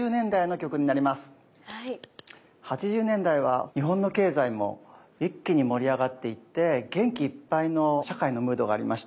８０年代は日本の経済も一気に盛り上がっていって元気いっぱいの社会のムードがありました。